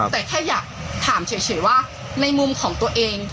แต่แค่อยากถามเฉยว่าในมุมของตัวเอง